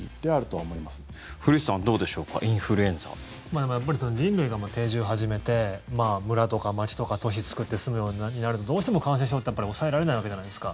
でも、やっぱり人類が定住を始めて村とか町とか都市作って住むようになるとどうしても感染症って抑えられないわけじゃないですか。